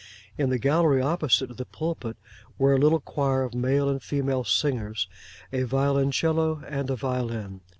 In the gallery opposite to the pulpit were a little choir of male and female singers, a violoncello, and a violin.